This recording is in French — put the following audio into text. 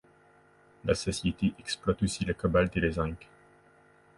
La société exploite aussi le cobalt et le zinc.